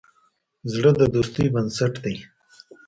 زړه د دوستی بنسټ دی.